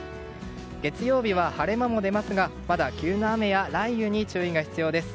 月曜日は晴れ間も出ますがまだ急な雨や雷雨に注意が必要です。